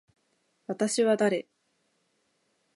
私は誰。